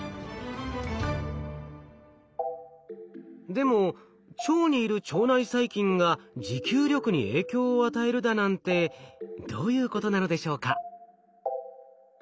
でも腸にいる腸内細菌が持久力に影響を与えるだなんてどういうことなのでしょうか？